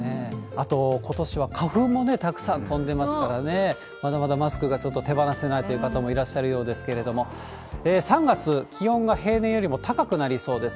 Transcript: あと、ことしは花粉もたくさん飛んでますからね、まだまだマスクがちょっと手放せないという方もいらっしゃるようですけれども、３月、気温が平年よりも高くなりそうです。